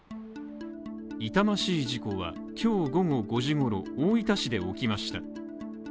痛ましい事故は今日午後５時ごろ、大分市で起きました。